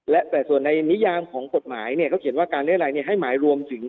และแต่ส่วนในนิยามของกฎหมายเนี่ยเขาเขียนว่าการเรียรัยให้หมายรวมถึง